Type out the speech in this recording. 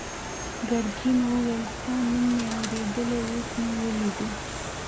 ګرګین وویل ستا نوم مې اورېدلی اوس مې ولیدې.